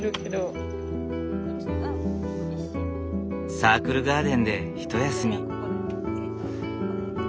サークルガーデンでひと休み。